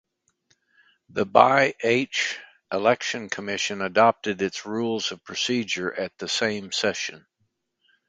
The BiH Election Commission adopted its Rules of Procedure at the same session.